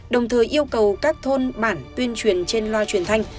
đồng thời yêu cầu các thôn bản tuyên truyền trên loa truyền thanh